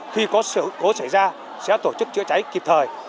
khi có sự cố xảy ra sẽ tổ chức chữa cháy kịp thời